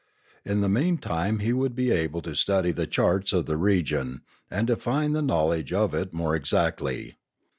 In the meantime he would be able to study the charts of the region, and define the knowledge of it Epilogue 7°9 more exactly.